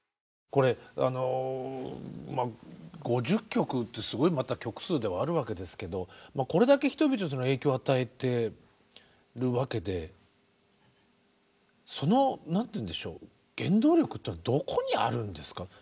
５０曲ってすごい曲数ではあるわけですけどこれだけ人々に影響を与えてるわけでその何て言うんでしょう原動力というのはどこにあるんですか？